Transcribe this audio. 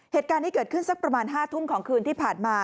เหตุการณ์นี้เกิดขึ้นสักประมาณ๕ทุ่มของคืนที่ผ่านมา